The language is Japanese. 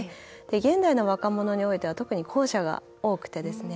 現代の若者においては特に後者が多くてですね。